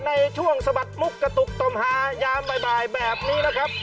สะบัดมุกกระตุกตมหายามบ่ายแบบนี้นะครับ